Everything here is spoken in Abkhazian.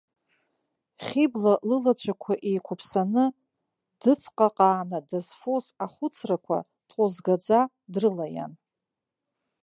Хьыбла лылацәақәа еиқәыԥсаны, дыҵҟаҟааны дызфоз ахәыцрақәа дҟәызгаӡа дрылаиан.